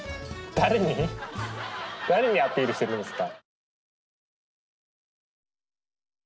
誰にアピールしてるんですか？